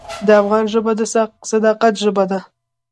د افغان ژبه د صداقت ژبه ده.